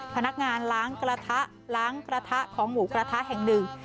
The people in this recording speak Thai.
พนักงานล้างกระทะล้างกระทะของหมูกระทะแห่งหนึ่ง